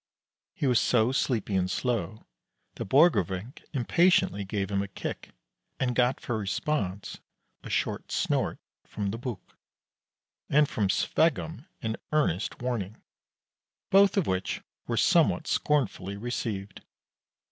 He was so sleepy and slow that Borgrevinck impatiently gave him a kick, and got for response a short snort from the Buk, and from Sveggum an earnest warning, both of which were somewhat scornfully received.